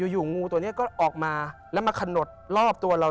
อยู่งูตัวนี้ก็ออกมาแล้วมาขนดรอบตัวเรา